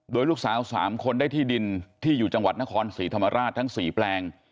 โดยลูกสาว๓คนได้ที่ดินที่อยู่จังหวัดนครศรีธรรมราชทั้ง๔แปลง